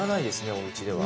おうちでは。